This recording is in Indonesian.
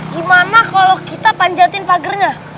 gimana kalau kita panjatin pak gernya